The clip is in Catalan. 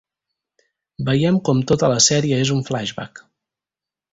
Veiem com tota la sèrie és un flashback.